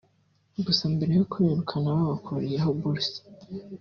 Gusa mbere yo kubirukana babakuriyeho bourse